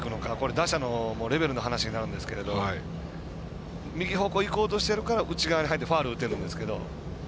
打者のレベルの話になるんですけど右方向いこうとしてるから内側に入ってファウル打てるんですが。